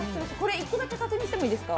１個だけ確認してもいいですか。